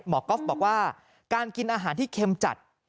ก๊อฟบอกว่าการกินอาหารที่เค็มจัด